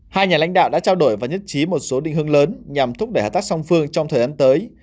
hai nhà lãnh đạo đã trao đổi và nhất trí một số định hướng lớn nhằm thúc đẩy hợp tác song phương trong thời gian tới